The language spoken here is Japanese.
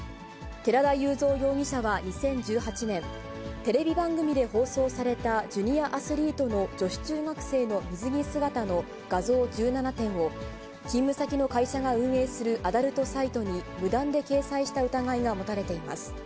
寺田祐三容疑者は２０１８年、テレビ番組で放送されたジュニアアスリートの女子中学生の水着姿の画像１７点を、勤務先の会社が運営するアダルトサイトに無断で掲載した疑いが持たれています。